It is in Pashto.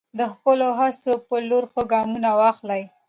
د خپلو هڅو په لور ښه ګامونه واخلئ.